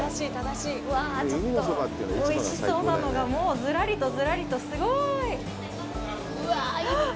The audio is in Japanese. うわあ、ちょっとおいしそうなのがもう、ずらりと、ずらりと、すごい。